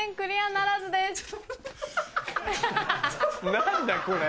何だこれ。